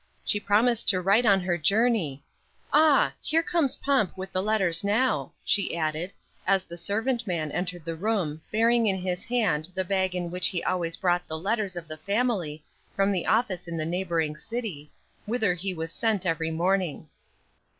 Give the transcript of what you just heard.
She promised to write on her journey. Ah! here comes Pomp with the letters now," she added, as the servant man entered the room bearing in his hand the bag in which he always brought the letters of the family from the office in the neighboring city, whither he was sent every morning.